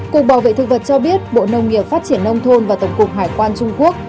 cục bảo vệ thực vật cho biết bộ nông nghiệp phát triển nông thôn và tổng cục hải quan trung quốc